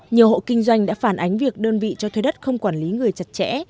nhiều hộ kinh doanh đã phản ánh việc đơn vị cho thuê đất không quản lý người chặt chẽ